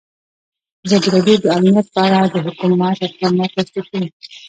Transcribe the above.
ازادي راډیو د امنیت په اړه د حکومت اقدامات تشریح کړي.